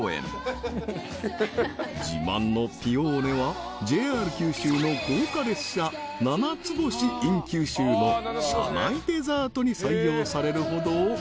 ［自慢のピオーネはＪＲ九州の豪華列車ななつ星ｉｎ九州の車内デザートに採用されるほど極上品］